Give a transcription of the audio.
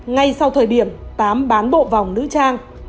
ngay sau thời điểm tám bán bộ vòng nữ trang